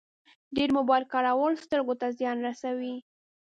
ډېر موبایل کارول سترګو ته زیان رسوي.